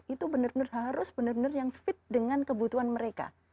itu benar benar harus benar benar yang fit dengan kebutuhan mereka